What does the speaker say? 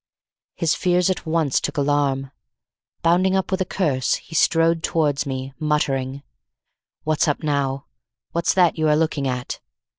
His fears at once took alarm. Bounding up with a curse, he strode towards me, muttering, "What's up now? What's that you are looking at?"